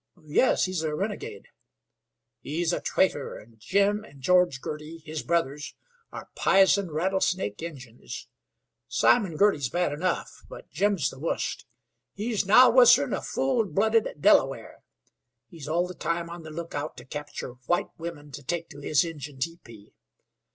"Yes; he's a renegade." "He's a traitor, and Jim and George Girty, his brothers, are p'isin rattlesnake Injuns. Simon Girty's bad enough; but Jim's the wust. He's now wusser'n a full blooded Delaware. He's all the time on the lookout to capture white wimen to take to his Injun teepee.